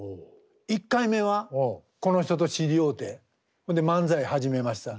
１回目はこの人と知り合うてで漫才始めました。